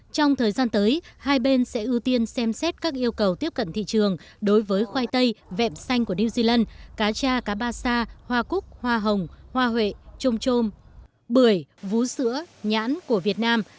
trong thời gian tới hai bên sẽ ưu tiên xem xét các yêu cầu tiếp cận thị trường đối với khoai tây vẹm xanh của new zealand cá cha cá ba sa hoa cúc hoa hồng hoa huệ trôm trôm bưởi vú sữa nhãn của việt nam